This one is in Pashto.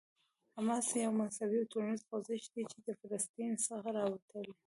حماس یو مذهبي او ټولنیز خوځښت دی چې له فلسطین څخه راوتلی.